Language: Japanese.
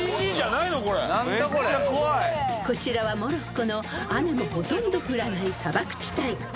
［こちらはモロッコの雨のほとんど降らない砂漠地帯］